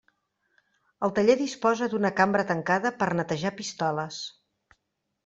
El taller disposa d'una cambra tancada per netejar pistoles.